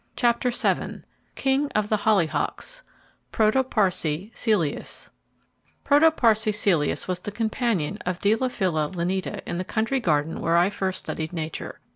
CHAPTER VII King of the Hollyhocks: Protoparce Celeus Protoparce Celeus was the companion of Deilephila Lineata in the country garden where I first studied Nature.